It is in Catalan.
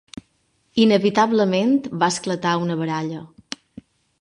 Inevitablement va esclatar una baralla.